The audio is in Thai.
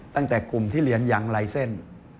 ตั้งแต่กลุ่มที่เรียนยังลายเส้น